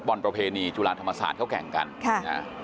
ฟุตบอลประเพณีจุฬานธรรมศาสตร์เค้าแก่งกันพี่นะฮะ